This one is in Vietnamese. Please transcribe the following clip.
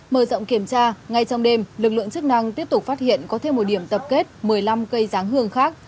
mở rộng kiểm tra ngay trong đêm lực lượng chức năng tiếp tục phát hiện có thêm một điểm tập kết một mươi năm cây giáng hương khác